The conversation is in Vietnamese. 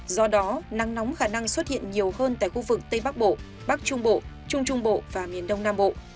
do đó nắng nóng khả năng xuất hiện nhiều hơn tại khu vực tây bắc bộ bắc trung bộ trung trung bộ và miền đông nam bộ